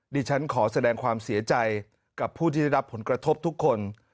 ดิฉันขอแสดงความเสียใจกับผู้ที่ได้รับผลกระทบทุกคน